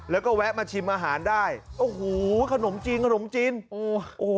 แล้วก็แวะมาชิมอาหารได้โอ้โหขนมจีนขนมจีนโอ้โห